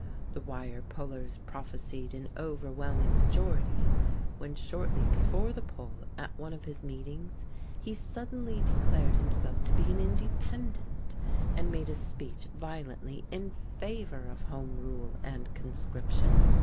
The wire pullers prophecied an overwhelming majority, when shortly before the poll, at one of his meetings, he suddenly declared himself to be an Independent, and made a speech violently in favour of Home Rule and conscription.